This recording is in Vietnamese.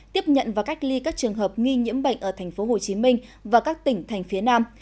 tiếp nhận và cách ly các trường hợp nghi nhiễm bệnh ở tp hcm và các tỉnh thành phía nam